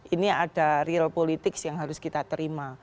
ini ada real politics yang harus kita terima